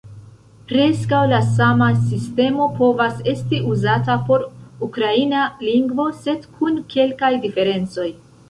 Preskaŭ la sama sistemo povas esti uzata por ukraina lingvo, sed kun kelkaj diferencoj.